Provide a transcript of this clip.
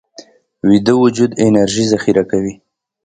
ویده وجود انرژي ذخیره کوي